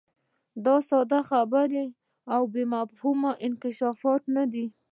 دا ساده خبرې او بې مفهومه انکشافات نه دي.